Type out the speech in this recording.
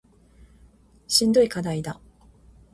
しんどい課題だ